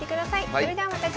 それではまた次回。